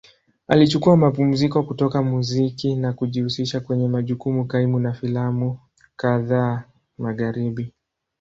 Alichukua mapumziko kutoka muziki na kujihusisha kwenye majukumu kaimu na filamu kadhaa Magharibi.